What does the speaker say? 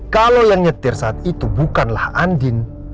kalau yang nyetir saat itu bukanlah andin